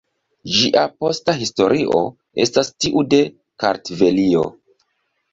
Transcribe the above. Ĝia posta historio estas tiu de Kartvelio.